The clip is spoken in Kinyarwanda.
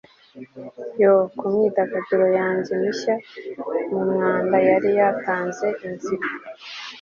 yoo, kumyidagaduro yanjye mishya mumwanda, yari yatanze inzira